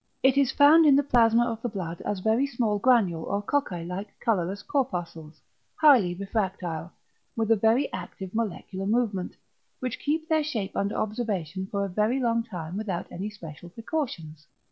It is found in the plasma of the blood as very small granule or coccæ like colourless corpuscles, highly refractile, with a very active molecular movement, which keep their shape under observation for a very long time without any special precautions.